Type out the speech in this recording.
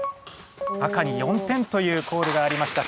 赤に４点というコールがありました。